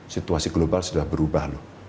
situasi global sudah berubah loh